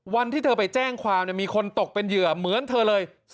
วันที่เธอไปแจ้งความมีคนตกเป็นเหยื่อเหมือนเธอเลย